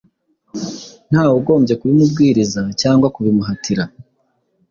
Nta we ugombye kubimubwiriza cyangwa ku bimuhatira.